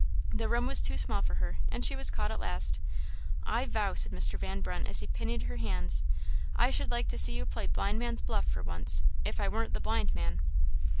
The room was too small for her, and she was caught at last. "I vow!" said Mr. Van Brunt as he pinioned her hands, "I should like to see you play blind man's buff for once, if I warn't the blind man."